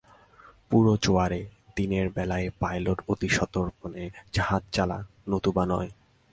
পুরো জোয়ারে, দিনের বেলায় পাইলট অতি সন্তর্পণে জাহাজ চালান, নতুবা নয়।